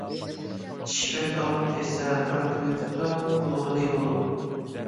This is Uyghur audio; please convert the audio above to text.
چىش بەك ئاغرىپ كەتسە تارتىۋېتىپلا قۇتۇلغىلى بولىدۇ.